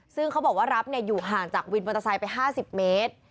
ซึ่งเขาบอกว่ารับอยู่ห่างจากวินมอเตอร์ไซค์ไป๕๐เมตร